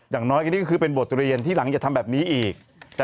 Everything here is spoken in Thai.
อย่างน้อยก็คือเป็นบทเรียนที่หลังจะทำแบบนี้อีก